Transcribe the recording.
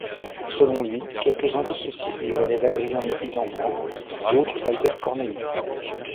Selon lui, quelques-uns de ceux-ci lui venaient d'Adriaen Isenbrant, d'autres d'Albert Cornelis.